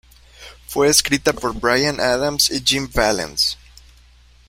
Fue escrita por Bryan Adams y Jim Vallance.